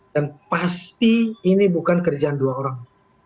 dan pasti ini bukan kerjaan dua orang